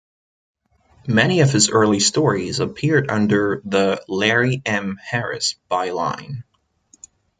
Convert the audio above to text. Many of his early stories appeared under the "Larry M. Harris" byline.